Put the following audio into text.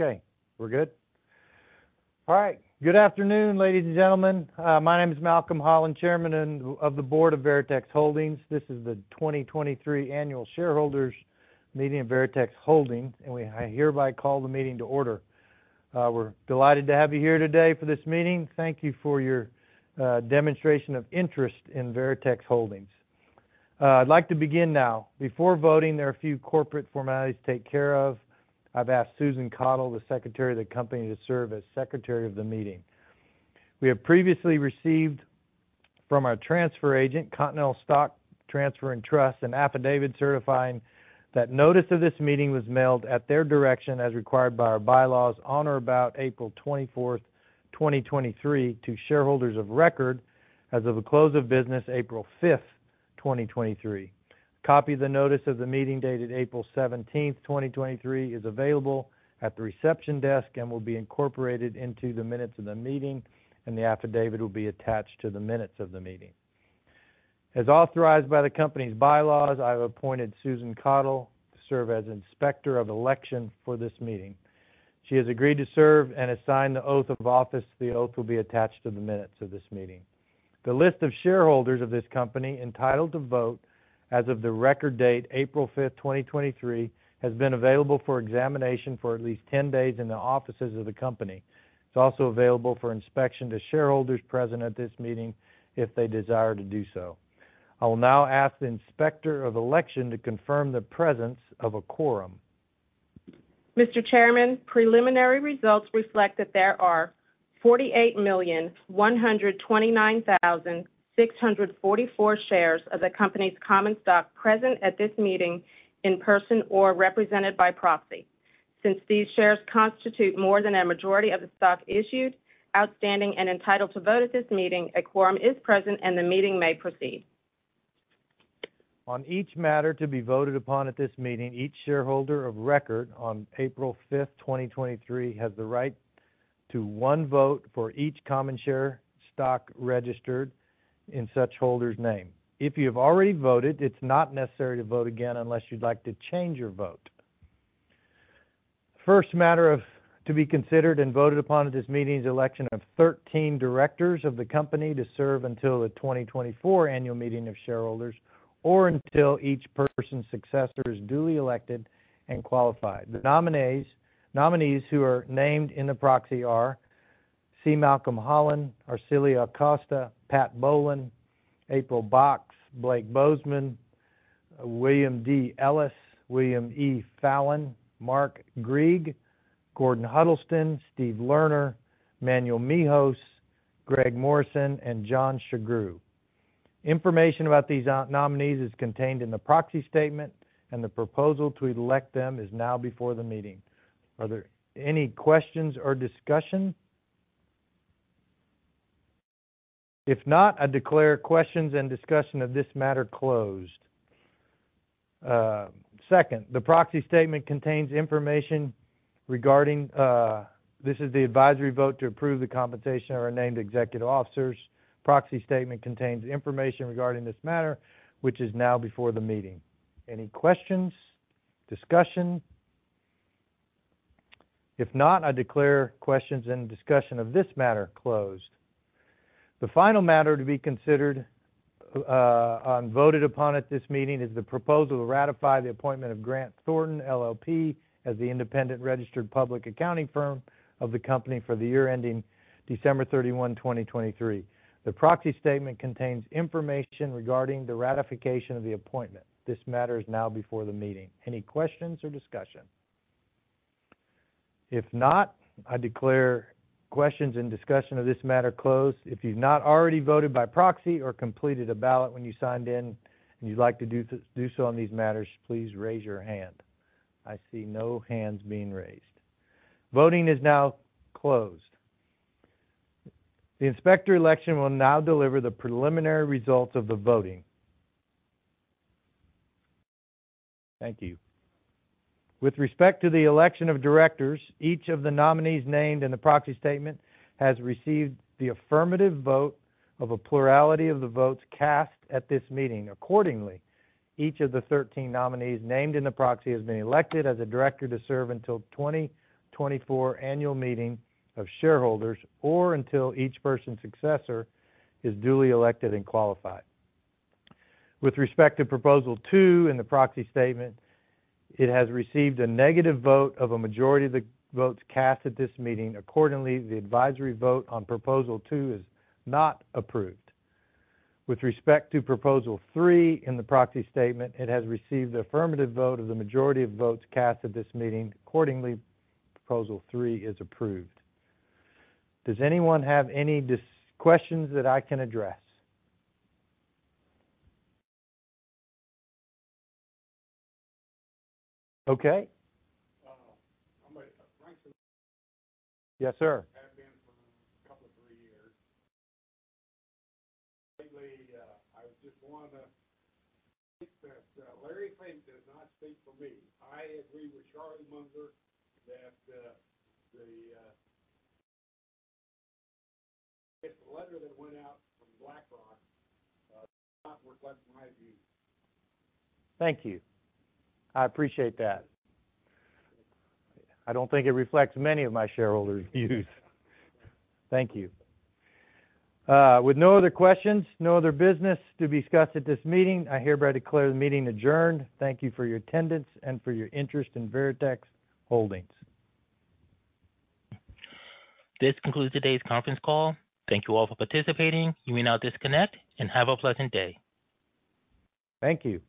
Okay, we're good? All right. Good afternoon, ladies and gentlemen. My name is Malcolm Holland, chairman of the board of Veritex Holdings. This is the 2023 annual shareholders meeting of Veritex Holdings. I hereby call the meeting to order. We're delighted to have you here today for this meeting. Thank you for your demonstration of interest in Veritex Holdings. I'd like to begin now. Before voting, there are a few corporate formalities to take care of. I've asked Susan Caudle, the secretary of the company, to serve as secretary of the meeting. We have previously received from our transfer agent, Continental Stock Transfer and Trust, an affidavit certifying that notice of this meeting was mailed at their direction as required by our bylaws on or about April 24th, 2023 to shareholders of record as of the close of business April 5th, 2023. Copy of the notice of the meeting dated April 17th, 2023 is available at the reception desk and will be incorporated into the minutes of the meeting and the affidavit will be attached to the minutes of the meeting. As authorized by the company's bylaws, I have appointed Susan Caudle to serve as Inspector of Election for this meeting. She has agreed to serve and has signed the oath of office. The oath will be attached to the minutes of this meeting. The list of shareholders of this company entitled to vote as of the record date, April 5th, 2023, has been available for examination for at least 10 days in the offices of the company. It's also available for inspection to shareholders present at this meeting if they desire to do so. I will now ask the Inspector of Election to confirm the presence of a quorum. Mr. Chairman, preliminary results reflect that there are 48,129,644 shares of the company's common stock present at this meeting in person or represented by proxy. Since these shares constitute more than a majority of the stock issued, outstanding, and entitled to vote at this meeting, a quorum is present and the meeting may proceed. On each matter to be voted upon at this meeting, each shareholder of record on April fifth, 2023, has the right to one vote for each common share stock registered in such holder's name. If you have already voted, it's not necessary to vote again unless you'd like to change your vote. First matter to be considered and voted upon at this meeting is election of 13 directors of the company to serve until the 2024 annual meeting of shareholders or until each person's successor is duly elected and qualified. The nominees who are named in the proxy are C. Malcolm Holland, Arcilia Acosta, Pat Bolian, April Box, Blake Bozman, William D. Ellis, William E. Fallon, Mark Griege, Gordon Huddleston, Steve Lerner, Manuel Mijares, Greg Morrison, and John Sugrue. Information about these nominees is contained in the proxy statement and the proposal to elect them is now before the meeting. Are there any questions or discussion? If not, I declare questions and discussion of this matter closed. Second, the proxy statement contains information regarding this is the advisory vote to approve the compensation of our named executive officers. Proxy statement contains information regarding this matter, which is now before the meeting. Any questions? Discussion? If not, I declare questions and discussion of this matter closed. The final matter to be considered on voted upon at this meeting is the proposal to ratify the appointment of Grant Thornton, LLP as the independent registered public accounting firm of the company for the year ending December 31, 2023. The proxy statement contains information regarding the ratification of the appointment. This matter is now before the meeting. Any questions or discussion? If not, I declare questions and discussion of this matter closed. If you've not already voted by proxy or completed a ballot when you signed in and you'd like to do so on these matters, please raise your hand. I see no hands being raised. Voting is now closed. The Inspector of Election will now deliver the preliminary results of the voting. Thank you. With respect to the election of directors, each of the nominees named in the proxy statement has received the affirmative vote of a plurality of the votes cast at this meeting. Accordingly, each of the 13 nominees named in the proxy has been elected as a director to serve until 2024 annual meeting of shareholders, or until each person's successor is duly elected and qualified. With respect to proposal 2 in the proxy statement, it has received a negative vote of a majority of the votes cast at this meeting. Accordingly, the advisory vote on proposal 2 is not approved. With respect to proposal 3 in the proxy statement, it has received the affirmative vote of the majority of votes cast at this meeting. Accordingly, proposal 3 is approved. Does anyone have any questions that I can address? Okay. I'm a. Yes, sir. Have been for a couple of three years. Lately, I just wanna state that Larry Fink does not speak for me. I agree with Charlie Munger that It's the letter that went out from BlackRock does not reflect my views. Thank you. I appreciate that. I don't think it reflects many of my shareholders' views. Thank you. With no other questions, no other business to be discussed at this meeting, I hereby declare the meeting adjourned. Thank you for your attendance and for your interest in Veritex Holdings. This concludes today's conference call. Thank you all for participating. You may now disconnect and have a pleasant day. Thank you.